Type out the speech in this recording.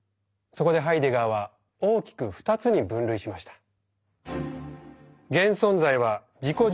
そこでハイデガーは大きく２つに分類しました。